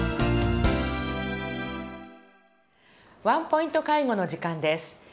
「ワンポイント介護」の時間です。